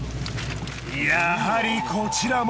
やはりこちらも。